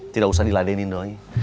tidak usah diladenin doi